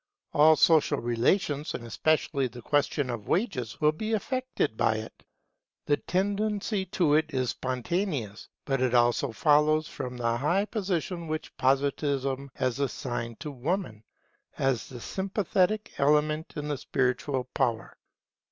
All social relations, and especially the question of wages, will be affected by it. The tendency to it is spontaneous; but it also follows from the high position which Positivism has assigned to Woman as the sympathetic element in the spiritual power.